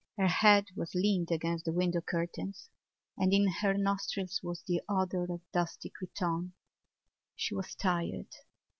Her head was leaned against the window curtains and in her nostrils was the odour of dusty cretonne. She was tired.